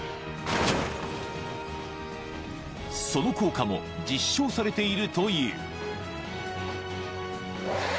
［その効果も実証されているという］